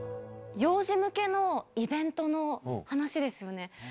幼児向けのイベントの話です